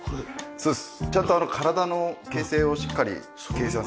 そうです。